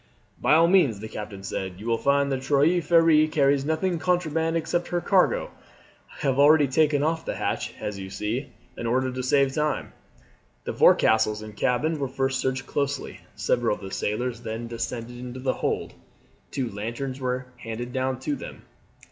"By all means," the captain said, "you will find the Trois Freres carries nothing contraband except her cargo. I have already taken off the hatch, as you see, in order to save time." The forecastles and cabin were first searched closely. Several of the sailors then descended into the hold. Two lanterns were handed down to them.